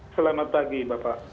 selamat pagi bapak